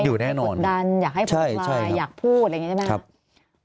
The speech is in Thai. อยู่แน่นอนอยากให้ผลกลายอยากพูดอะไรอย่างนี้ใช่ไหมครับ